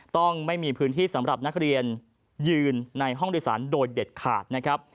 ต้องไม่มีพื้นที่สำหรับนักเรียนยืนในห้องโดยสารโดยเด็ดขาดนะครับ